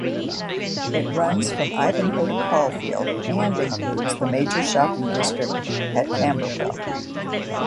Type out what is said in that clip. It runs from Ivanhoe to Caulfield and includes the major shopping district at Camberwell.